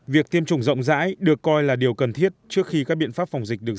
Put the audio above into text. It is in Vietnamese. việc tiêm chủng rộng rãi được coi là điều cần thiết trước khi các biện pháp phòng dịch được